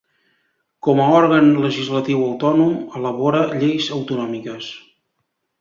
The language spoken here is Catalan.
Com a òrgan legislatiu autònom, elabora lleis autonòmiques.